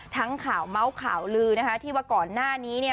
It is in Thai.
ข่าวเมาส์ข่าวลือนะคะที่ว่าก่อนหน้านี้เนี่ย